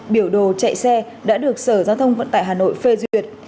biểu đồ chạy xe đã được sở giao thông vận tải hà nội phê duyệt